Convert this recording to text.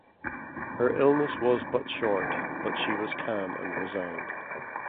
Her illness was but short, but she was calm and resigned.